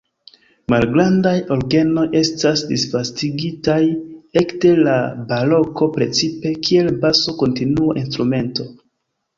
Malgrandaj orgenoj estas disvastigitaj ekde la baroko precipe kiel baso-kontinua-instrumento.